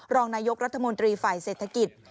รองนายกรัฐมนตรีฝ่ายเศรษฐกิจ